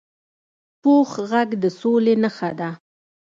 پوخ غږ د سولي نښه ده